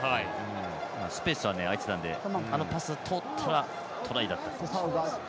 スペースは開いてたんであのパスが通ったらトライでした。